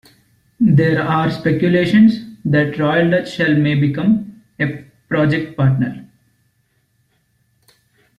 There are speculations that Royal Dutch Shell may become a project partner.